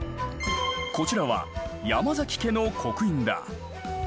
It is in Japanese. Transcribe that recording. こちらは山崎家の刻印だ。